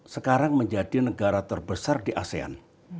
sekarang menjadi negara terbesar di asean